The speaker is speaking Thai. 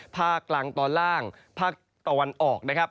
ภาคกลางตอนล่างภาคตะวันออกนะครับ